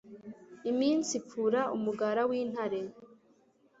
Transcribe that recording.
iminsi ipfura umugara w'intare